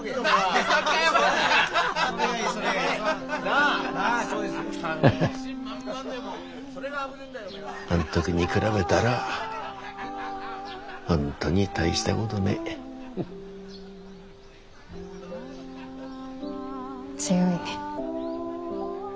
あん時に比べたら本当に大したことねえ。強いね。